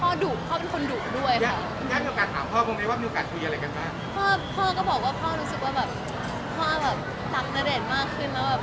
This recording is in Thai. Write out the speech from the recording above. หรือว่าเขาน่าจะอย่างก็ใช้เวลาด้วยกันเพิ่มขึ้น